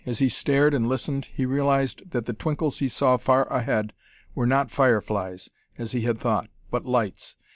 As he stared and listened, he realized that the twinkles he saw far ahead were not fire flies, as he had thought, but lights.